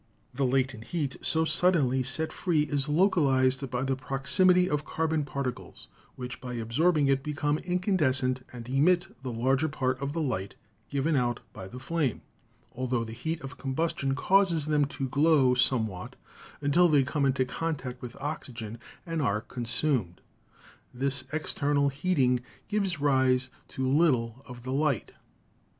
The latent heat so suddenly set free is localized by the proximity of carbon particles, which by absorbing it become incandescent and emit the larger part of the light given out by the flame ; altho the heat of combustion causes them to glow somewhat until they come into con tact with oxygen and are consumed. This external heat ing gives rise to little of the light.